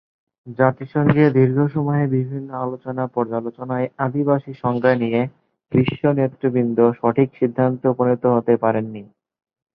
জাতিসংঘে দীর্ঘ সময়ে বিভিন্ন আলোচনা-পর্যালোচনায় আদিবাসী সংজ্ঞা নিয়ে বিশ্ব নেতৃবৃন্দ সঠিক সিদ্ধান্তে উপনীত হতে পারেননি।